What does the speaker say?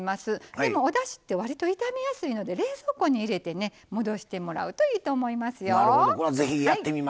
でも、おだしってわりと、傷みやすいので冷蔵庫に入れて戻してもらうといいと思いますよ。